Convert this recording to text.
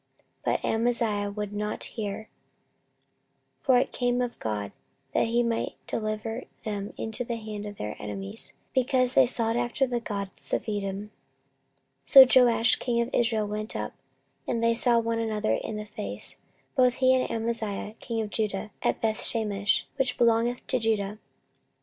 14:025:020 But Amaziah would not hear; for it came of God, that he might deliver them into the hand of their enemies, because they sought after the gods of Edom. 14:025:021 So Joash the king of Israel went up; and they saw one another in the face, both he and Amaziah king of Judah, at Bethshemesh, which belongeth to Judah.